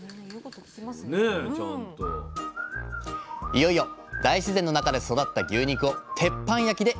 いよいよ大自然の中で育った牛肉を鉄板焼きで頂きます！